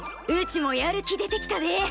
うちもやる気出てきたで！